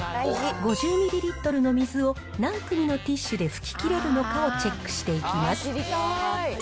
５０ミリリットルの水を何組のティッシュで拭き切れるのかをチェックしていきます。